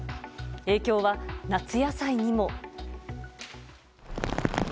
影響は夏野菜にも。